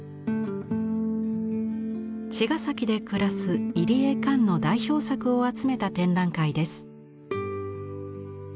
茅ヶ崎で暮らす入江観の代表作を集めた展覧会です。